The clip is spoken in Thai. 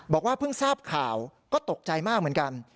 บอกว่าเพิ่งทราบข่าวก็ตกใจมากเหมือนกัน